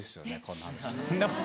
こんな話。